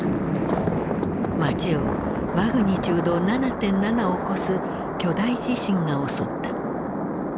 街をマグニチュード７．７を超す巨大地震が襲った。